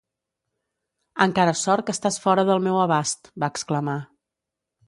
"Encara sort que estàs fora del meu abast" -va exclamar.